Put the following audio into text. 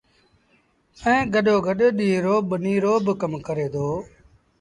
ائيٚݩ گڏو گڏ ڏيٚݩهݩ رو ٻنيٚ رو با ڪم ڪري دو۔